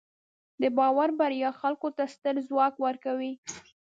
د باور بریا خلکو ته ستر ځواک ورکوي.